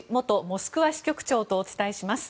モスクワ支局長とお伝えします。